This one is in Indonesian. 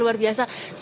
luar biasa luar biasa